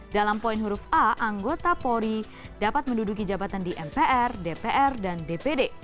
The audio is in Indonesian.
dalam poin huruf a anggota polri dapat menduduki jabatan di mpr dpr dan dpd